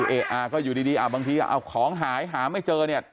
อ่าก็อยู่ดีดีอ่าบางทีอ่าของหายหาไม่เจอเนี้ย